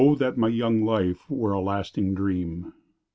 that my young life were a lasting dream!